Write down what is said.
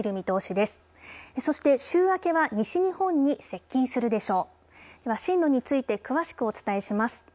では進路について詳しくお伝えします。